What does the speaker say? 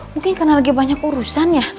mungkin karena lagi banyak urusan ya